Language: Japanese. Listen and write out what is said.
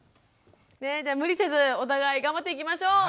じゃ無理せずお互い頑張っていきましょう！